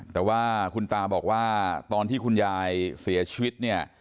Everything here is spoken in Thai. แต่ว่าคุณตาบอกว่าตอนที่คุณยายเสียชีวิตเนี่ย